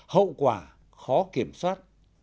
hậu quả khó kiểm soát